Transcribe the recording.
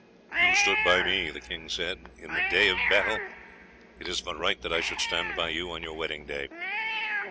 "You stood by me," he said, "in the day of battle, it is but right that I should stand by you on your wedding day.